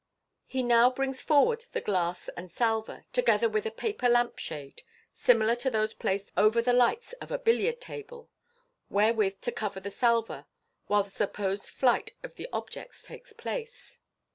He now brings forward the glass and salver, together with a paper lamp shade (similar to those placed over the lights of a billiard table), wherewith to cover the salver while the supposed flight of the objects takes place.